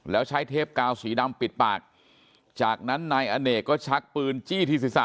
แล้วใช้เทปกาวสีดำปิดปากจากนั้นนายอเนกก็ชักปืนจี้ที่ศีรษะ